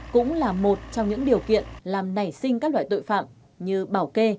cũng là một trong những điều kiện làm nảy sinh các loại tội phạm như bảo kê